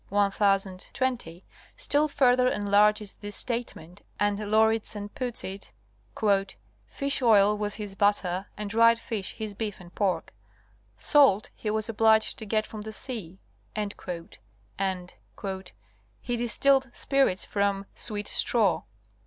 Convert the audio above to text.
1020, still further enlarges this state ment and Lauridsen puts it 'Fish oil was his butter and dried fish his beef and pork. Salt he was obliged to get from the sea," and ''he distilled spirits from 'sweet straw.